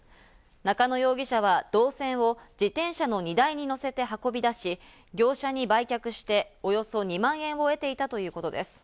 中野容疑者は銅線を自転車の荷台にのせて運び出し、業者に売却して、およそ２万円を得ていたということです。